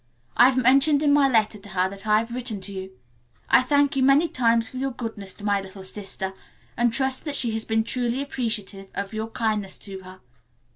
I have mentioned in my letter to her that I have written to you. I thank you many times for your goodness to my little sister and trust that she has been truly appreciative of your kindness to her.